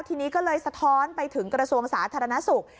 ทีนี้ก็เลยสะท้อนไปถึงกระทรวงสาธารณสุข